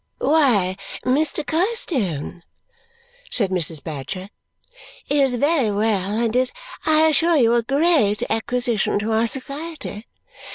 "Why, Mr. Carstone," said Mrs. Badger, "is very well and is, I assure you, a great acquisition to our society.